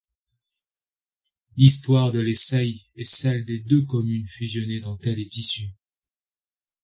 L'histoire de Lessay est celle des deux communes fusionnées dont elle est issue.